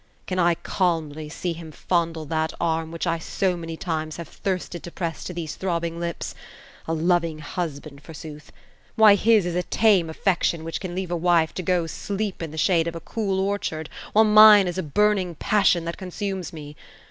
^ Can I calmly see him fondle that arm which I so many times have thirsted to press to these throbbing lips. A * loving husband,' forsooth ! Why, his 18 a tame affection which can leave a wife, to go sleep in the shade of a cool orchard, while mine is a burning passion that consumes me.